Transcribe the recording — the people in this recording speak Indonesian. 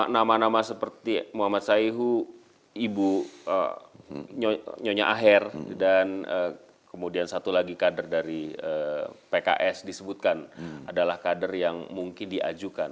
nama nama seperti muhammad saihu ibu nyonya aher dan kemudian satu lagi kader dari pks disebutkan adalah kader yang mungkin diajukan